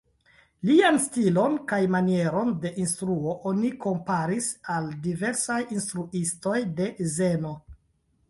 Lian stilon kaj manieron de instruo oni komparis al diversaj instruistoj de zeno.